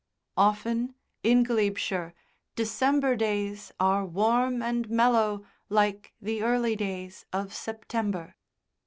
Often, in Glebeshire, December days are warm and mellow like the early days of September.